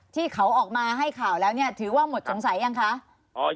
ที่เขาออกมาให้ข่าวแล้วเนี่ยถือว่าหมดสงสัยยังคะ